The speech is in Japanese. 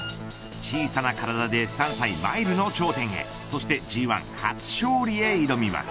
小さな体で３歳マイルの頂点へそしてＧ１初勝利へ挑みます。